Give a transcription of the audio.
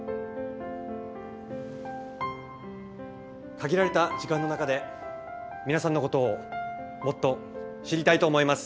限られた時間の中で皆さんのことをもっと知りたいと思います。